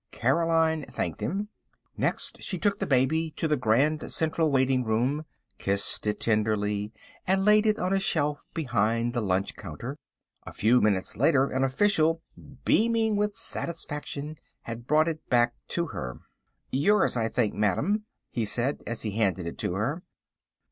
Caroline thanked him. Next she took the baby to the Grand Central Waiting room, kissed it tenderly, and laid it on a shelf behind the lunch counter. A few minutes an official, beaming with satisfaction, had brought it back to her. "Yours, I think, madame," he said, as he handed it to her.